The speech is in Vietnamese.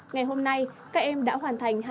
ngày hôm nay các em đã hoàn thành